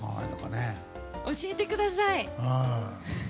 教えてください！